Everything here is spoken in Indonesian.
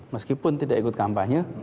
meskipun tidak ikut kampanye